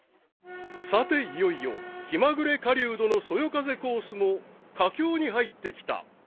［さていよいよ気まぐれ狩人のそよ風コースも佳境に入ってきた］